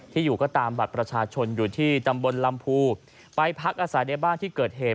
อยู่ก็ตามบัตรประชาชนอยู่ที่ตำบลลำพูไปพักอาศัยในบ้านที่เกิดเหตุ